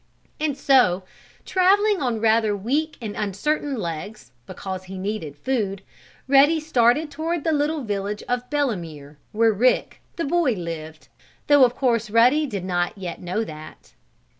And so, traveling on rather weak and uncertain legs, because he needed food, Ruddy started toward the little village of Belemere, where Rick, the boy, lived. Though, of course, Ruddy did not yet know that.